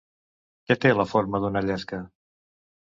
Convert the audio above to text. Que té la forma d'una llesca.